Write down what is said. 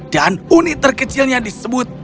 dan unit terkecilnya disebut